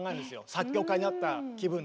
作曲家になった気分で。